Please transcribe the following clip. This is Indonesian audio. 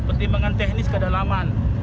pertimbangan teknis kedalaman